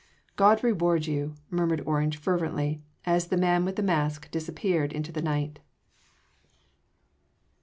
"God reward you!" murmured Orange fervently as the man with the mask disappeared into the night.